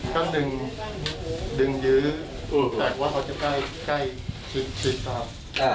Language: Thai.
เขาดึงดึงยื้อแตกว่าเขาจะใกล้ใกล้ชิดชิดครับ